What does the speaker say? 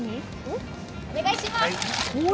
お願いします。